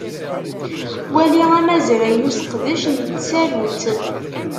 Wali amazray n useqdec n tsarut.